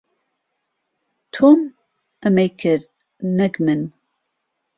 تۆم ئەمەی کرد، نەک من.